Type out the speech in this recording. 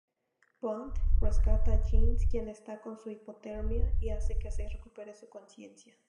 Bond rescata a Jinx quien está con hipotermia y hace que recupere su conciencia.